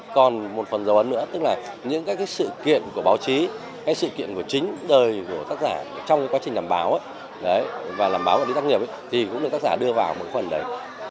còn một phần dấu ấn nữa tức là những sự kiện của báo chí sự kiện của chính đời của tác giả trong quá trình làm báo và làm báo và đi tác nghiệp thì cũng được tác giả đưa vào một phần đấy